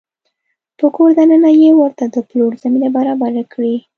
په کور دننه يې ورته د پلور زمینه برابره کړې